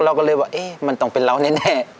เราก็เลยว่ามันต้องเป็นเราแน่